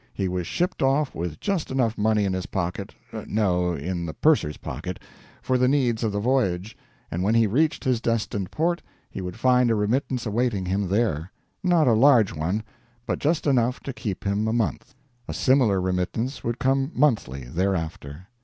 He was shipped off with just enough money in his pocket no, in the purser's pocket for the needs of the voyage and when he reached his destined port he would find a remittance awaiting him there. Not a large one, but just enough to keep him a month. A similar remittance would come monthly thereafter.